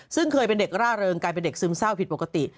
ซึ่งเคยเป็นเด็กร่าเริงกลายเป็นเด็กซึมเศร้าผิดปกติ